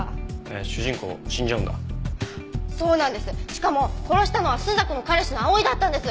しかも殺したのは朱雀の彼氏の葵だったんです。